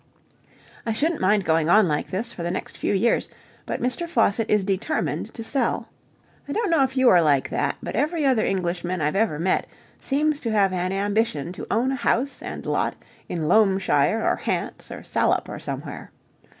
I shouldn't mind going on like this for the next few years, but Mr. Faucitt is determined to sell. I don't know if you are like that, but every other Englishman I've ever met seems to have an ambition to own a house and lot in Loamshire or Hants or Salop or somewhere.